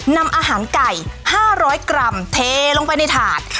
นำอาหารไก่๕๐๐กรัมเทลงไปในถาด